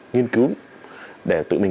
nghiên cứu để tự mình